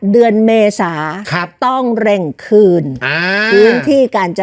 เดือนเมซาขับต้องเร่งคืนเพียงที่การจะ